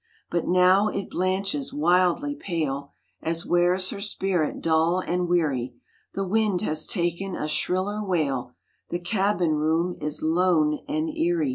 But now it blanches wildly pale, As wears her spirit dull and weary ; The wind has ta'en a shriller wail, The cabin room is lone and eerie.